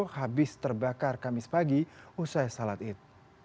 habis terbakar kamis pagi usai salat id